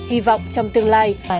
hy vọng trong tương lai